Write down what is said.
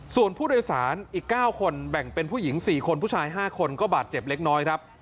ส่วนผู้โดยสารอีก๙คนแบ่งเป็นผู้หญิง๔คนผู้ชาย๕คนก็บาดเจ็บเล็กน้อยครับ